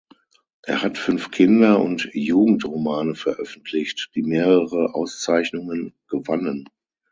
Er hat fünf Kinder- und Jugendromane veröffentlicht, die mehrere Auszeichnungen gewannen.